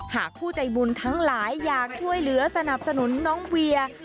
หากผู้ใจบุญทั้งหลายอยากช่วยเหลือสนับสนุนน้องเวีย